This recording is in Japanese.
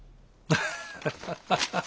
アハハハハハハ。